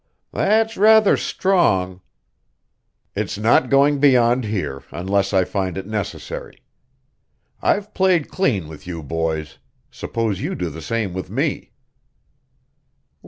"That's rather strong " "It's not going beyond here, unless I find it necessary. I've played clean with you boys. Suppose you do the same with me."